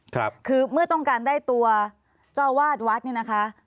คือเมื่อต้องการได้ตัวเจ้าวาดวัดเนี่ยนะคะ